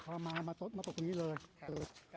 พอมามาซดมาตรงนี้เลย